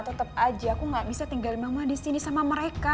tetep aja aku gak bisa tinggalin mama disini sama mereka